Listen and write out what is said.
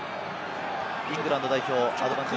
イングランド代表アドバンテージ。